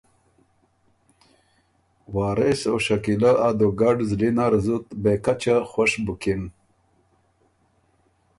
وارث او شکیلۀ ا دُوګډ زلی نر زُت بېکچه خوش بُکِن